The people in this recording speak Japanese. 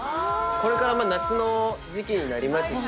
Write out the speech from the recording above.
これから夏の時季になりますし。